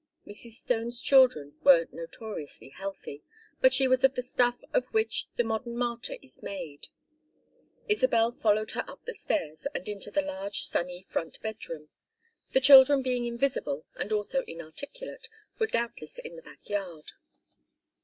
Mrs. Stone's children were notoriously healthy, but she was of the stuff of which the modern martyr is made. Isabel followed her up the stairs and into the large sunny front bedroom. The children being invisible and also inarticulate, were doubtless in the back yard.